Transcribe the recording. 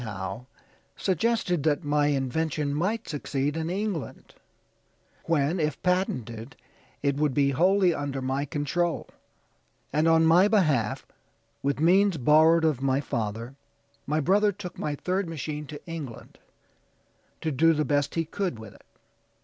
Howe, suggested that my invention might succeed in England, when, if patented, it would be wholly under my control; and on my behalf, with means borrowed of my father, my brother took my third machine to England, to do the best he could with it.